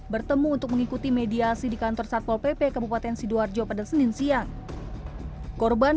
bertemu untuk mengikuti mediasi di kantor satpol pp kabupaten sidoarjo pada senin siang korban